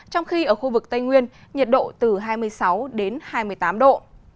trong khi ở khu vực tây nguyên nhiệt độ từ hai mươi sáu đến hai mươi tám độ